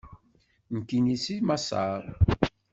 Nekkini seg maṣer.